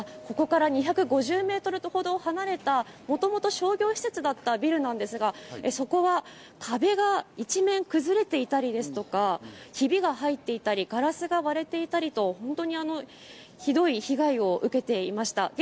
ここから２５０メートルほど離れたもともと商業施設だったビルなんですが、そこは壁が一面崩れていたりですとか、ひびが入っていたりガラスが割れていたりと、本当にひどい被害を受けていました。